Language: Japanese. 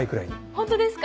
ホントですか？